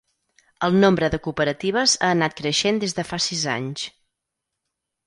El nombre de cooperatives ha anat creixent des de fa sis anys.